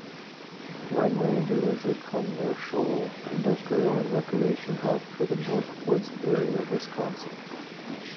Rhinelander is a commercial, industrial and recreation hub for the Northwoods area of Wisconsin.